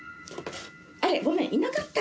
あらごめんいなかった。